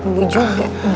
jangan banyak berbicara